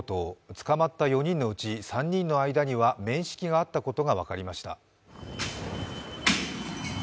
捕まった４人のうち３人の間には面識があったことが分かりました。